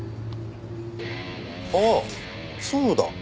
あっそうだ。